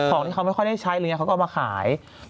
ของเขาไม่ค่อยได้ใช้อะไรอย่างนี้เขาก็เอามาขาย